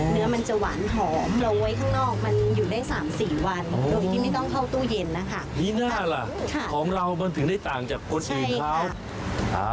เนื้อมันจะหวานหอมและก็ไว้ข้างนอกมันอยู่ได้๓๔วัน